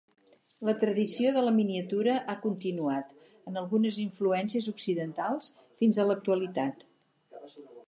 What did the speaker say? La tradició de la miniatura ha continuat, amb algunes influències occidentals, fins a l'actualitat.